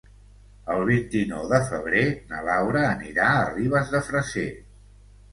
El vint-i-nou de febrer na Laura anirà a Ribes de Freser.